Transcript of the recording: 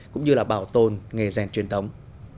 cũng như là bảo tồn nghề rèn truyền thống